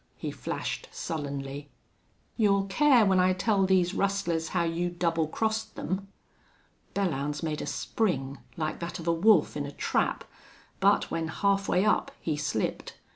he flashed, sullenly. "You'll care when I tell these rustlers how you double crossed them." Belllounds made a spring, like that of a wolf in a trap; but when half way up he slipped.